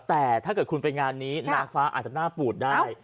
แต่ถ้าเกิดคุณไปงานนี้นางฟ้าอาจจะหน้าปูดได้